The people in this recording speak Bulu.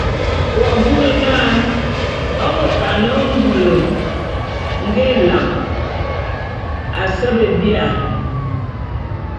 W'abuni na môt a ne ngul nge élan à se be bia?